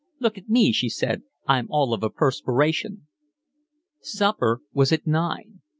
"Look at me," she said. "I'm all of a perspiration." Supper was at nine.